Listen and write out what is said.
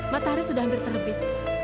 matahari sudah hampir terbit